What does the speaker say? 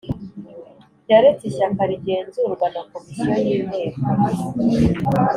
yaretse ishyaka rigenzurwa na comisiyo y' inteko